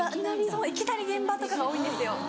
そういきなり現場とかが多いんですよ。